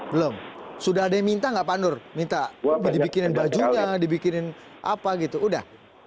belum sudah ada yang minta nggak pak nur minta dibikinin bajunya dibikinin apa gitu udah